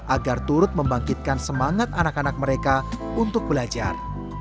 agar turut membangkitkan semangat anak anak mereka untuk belajar